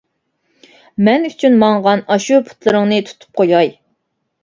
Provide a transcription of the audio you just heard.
مەن ئۈچۈن ماڭغان ئاشۇ پۇتلىرىڭنى تۇتۇپ قوياي!